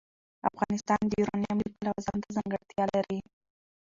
افغانستان د یورانیم د پلوه ځانته ځانګړتیا لري.